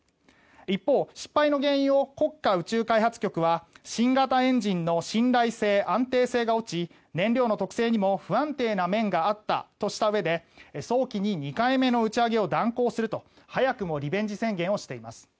一方、失敗の原因を国家宇宙開発局は新型エンジンの信頼性、安定性が落ち燃料の特性にも不安定な面があったとしたうえで早期に２回目の打ち上げを断行すると早くもリベンジ宣言をしています。